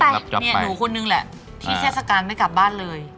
ใช่เนี่ยหนูคนนึงแหละที่เทศกาลไม่กลับบ้านเลย